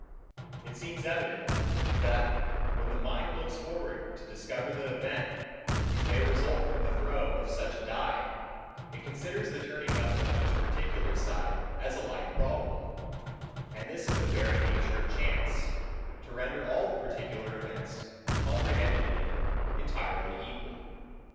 It seems evident, that, when the mind looks forward to discover the event, which may result from the throw of such a dye, it considers the turning up of each particular side as alike probable; and this is the very nature of chance, to render all the particular events, comprehended in it, entirely equal.